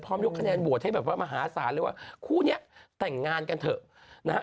พร้อมยกคะแนนบวชให้เป็นมาหาศาลเลยว่าคู่นี้แต่งงานกันเถอะ